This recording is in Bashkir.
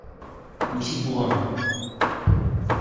— Нисек булған һуң?